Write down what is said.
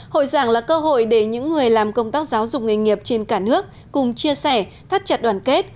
hội giảng là cơ hội để những người làm công tác giáo dục nghề nghiệp trên cả nước cùng chia sẻ thắt chặt đoàn kết